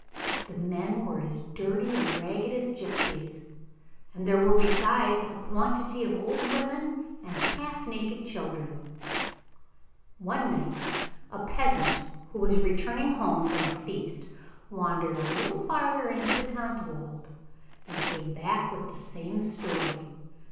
The men were as dirty and ragged as gipsies, and there were besides a quantity of old women and half naked children. One night a peasant who was returning home from a feast wandered a little farther into the Tontlawald, and came back with the same story.